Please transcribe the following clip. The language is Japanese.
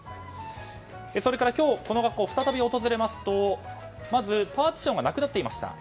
それから今日この学校を再び訪れますとまずパーティションがなくなっていました。